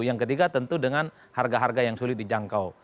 yang ketiga tentu dengan harga harga yang sulit dijangkau